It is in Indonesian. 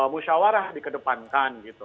musyawarah di kedepankan gitu